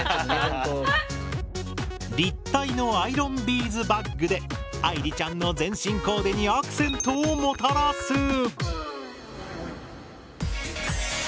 立体のアイロンビーズバッグで愛莉ちゃんの全身コーデにアクセントをもたらす！